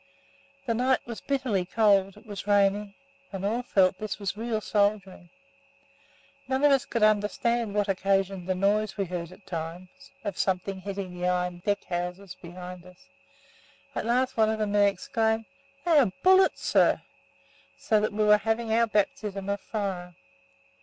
The night was bitterly cold, it was raining, and all felt this was real soldiering. None of us could understand what occasioned the noise we heard at times, of something hitting the iron deck houses behind us; at last one of the men exclaimed: "Those are bullets, sir," so that we were having our baptism of fire.